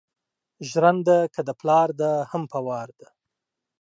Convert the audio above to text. جرنده که دا پلار ده هم په وار ده